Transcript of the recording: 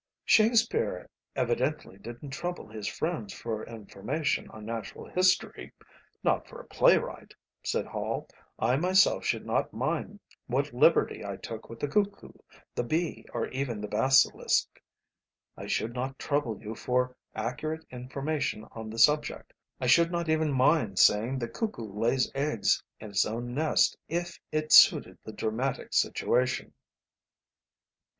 "Shakespeare evidently didn't trouble his friends for information on natural history, not for a playwright," said Hall. "I myself should not mind what liberty I took with the cuckoo, the bee, or even the basilisk. I should not trouble you for accurate information on the subject; I should not even mind saying the cuckoo lays eggs in its own nest if it suited the dramatic situation."